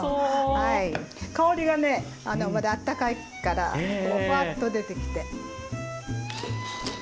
香りがまだあったかいからフワッと出てきて。